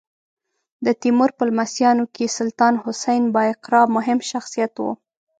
د تیمور په لمسیانو کې سلطان حسین بایقرا مهم شخصیت و.